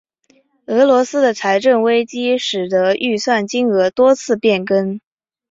俄罗斯的财政危机使得预算金额多次变更。